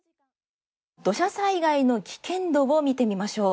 土砂災害の危険度を見てみましょう。